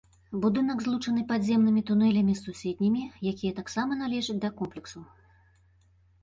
Будынак злучаны падземнымі тунэлямі з суседнімі, якія таксама належаць да комплексу.